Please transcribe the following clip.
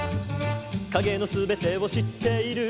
「影の全てを知っている」